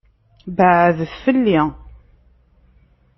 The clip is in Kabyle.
Beɛɛdet fell-i!